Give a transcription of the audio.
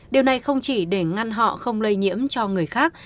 điều này không chỉ để ngăn họ không lây nhiễm cho người khác